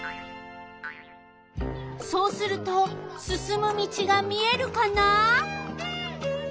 そうするとすすむ道が見えるかな？